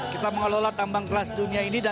kita mengelola tambang kelas dunia ini